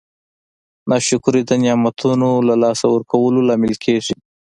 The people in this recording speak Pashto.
ناشکري د نعمتونو د لاسه ورکولو لامل کیږي.